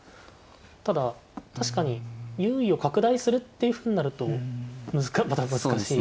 ただ確かに優位を拡大するっていうふうになるとまた難しいような。